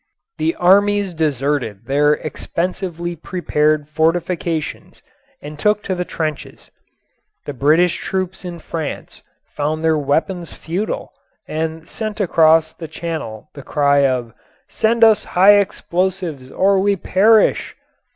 The armies deserted their expensively prepared fortifications and took to the trenches. The British troops in France found their weapons futile and sent across the Channel the cry of "Send us high explosives or we perish!"